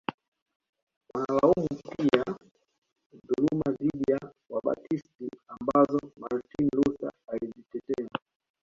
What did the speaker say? Wanalaumu pia dhuluma dhidi ya Wabatisti ambazo Martin Luther alizitetea